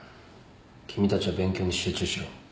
君たちは勉強に集中しろ。